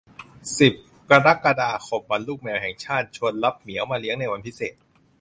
สิบ กรกฎาคม วันลูกแมวแห่งชาติ ชวนรับเหมียวมาเลี้ยงในวันพิเศษ